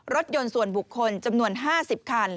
รถยนต์ส่วนบุคคลจำนวน๕๐คัน